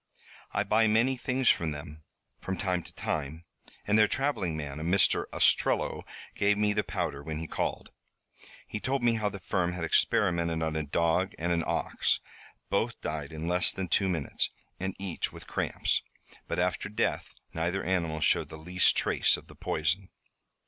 I buy many things from them, from time to time, and their traveling man, a Mr. Ostrello, gave me the powder when he called. He told me how the firm had experimented on a dog and an ox. Both died in less than two minutes, and each with cramps. But after death neither animal showed the least trace of the poison."